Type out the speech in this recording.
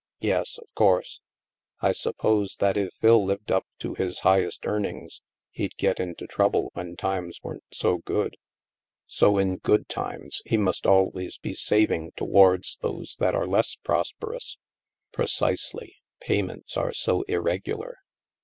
" Yes, of course. I suppose that if Phil lived up to his highest earnings, he'd get into trouble when times weren't so good. So in good times, he must always be saving towards those that are less pros perous." " Precisely. Payments are so irregular."